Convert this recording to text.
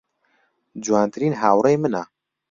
جوانترین هاوڕێی منە.